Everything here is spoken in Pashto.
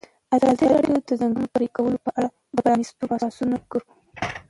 ازادي راډیو د د ځنګلونو پرېکول په اړه د پرانیستو بحثونو کوربه وه.